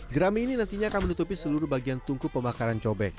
jerami ini nantinya akan menutupi seluruh bagian tungku pembakaran cobek